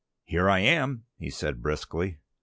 "Here I am!" he said briskly.